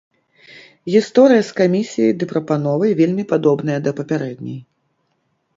Гісторыя з камісіяй ды прапановай вельмі падобная да папярэдняй.